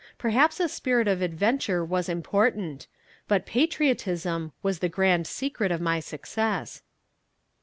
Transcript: Perhaps a spirit of adventure was important but patriotism was the grand secret of my success.